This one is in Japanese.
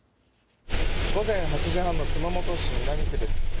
午前８時半の熊本市南区です。